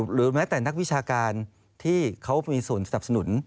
หรือแม้แต่นักวิชาการที่เขามีส่วนสนับสนุน